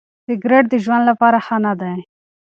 سګریټ د ژوند لپاره ښه نه دی.